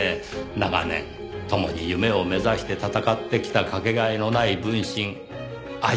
長年共に夢を目指して戦ってきたかけがえのない分身相方。